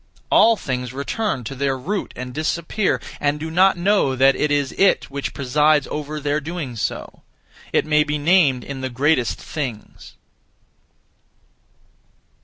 All things return (to their root and disappear), and do not know that it is it which presides over their doing so; it may be named in the greatest things.